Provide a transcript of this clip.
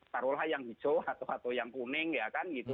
taruhlah yang hijau atau yang kuning ya kan gitu